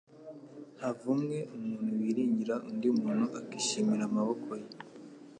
"Havumwe umuntu wiringira undi muntu akishimira amaboko ye."